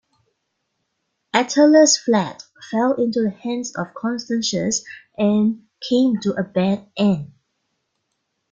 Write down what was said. Attalus fled, fell into the hands of Constantius, and came to a bad end.